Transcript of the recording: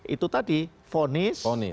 itu tadi fonis